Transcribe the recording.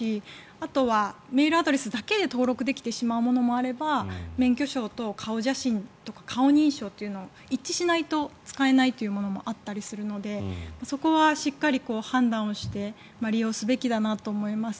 あとはメールアドレスだけで登録できてしまうものもあれば免許証と顔写真とか顔認証と一致しないと使えないというものもあったりするのでそこはしっかり判断をして利用すべきだなと思います。